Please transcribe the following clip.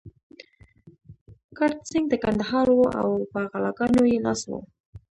کرت سېنګ د کندهار وو او په غلاګانو يې لاس و.